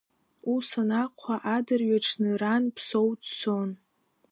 Ус анакәха, адырҩаҽны ран Ԥсоу дцон.